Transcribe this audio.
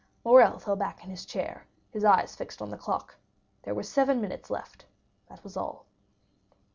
Morrel fell back in his chair, his eyes fixed on the clock; there were seven minutes left, that was all.